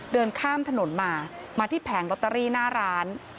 เดินข้ามถนนมามาที่แผงลอตเตอรี่หน้าร้าน